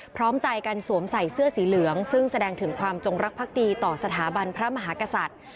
พร้อมใจกันสวมใส่เสื้อสีเหลืองซึ่งแสดงถึงความจงรักภักดีต่อสถาบันพระมหากษัตริย์